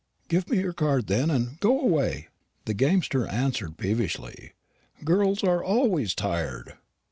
"Give me your card, then, and go away," the gamester answered peevishly; "girls are always tired."